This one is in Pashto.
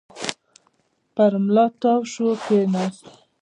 پر ملا تاو شو، کېناست.